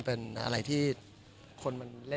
เห็นอะไรงี้ได้ง่ายอยู่แล้ว